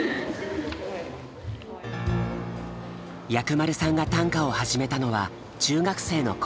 藥丸さんが短歌を始めたのは中学生の頃。